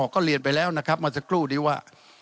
ก็เรียนไปแล้วนะครับเมื่อสักครู่นี้ว่า